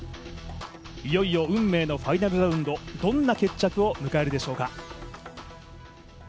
いよいよ運命のファイナルラウンド、どんな決着を迎えるでしょうか。